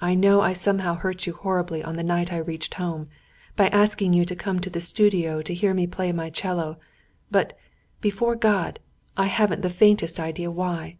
"I know I somehow hurt you horribly on the night I reached home, by asking you to come to the studio to hear me play my 'cello; but, before God, I haven't the faintest idea why!